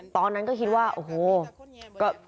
ตอนนั้นก็คิดว่าโอ้โห